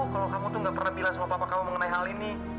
kalau kamu tuh gak pernah bilang sama bapak kamu mengenai hal ini